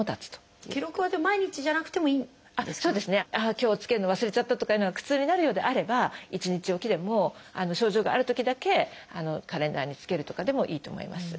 今日つけるの忘れちゃったとかいうのが苦痛になるようであれば一日置きでも症状があるときだけカレンダーにつけるとかでもいいと思います。